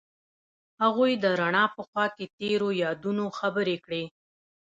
هغوی د رڼا په خوا کې تیرو یادونو خبرې کړې.